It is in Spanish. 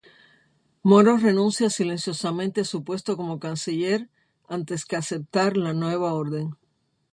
Moro renuncia silenciosamente a su puesto como Canciller antes que aceptar la nueva orden.